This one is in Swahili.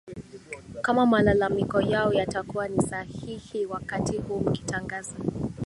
kama malalamiko yao yatakuwa ni sahihi wakati huu mkitangaza